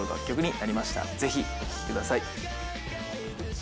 ぜひお聞きください。